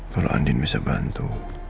kalau andin bisa bantu